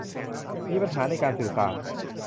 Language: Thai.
มีปัญหาในการสื่อสาร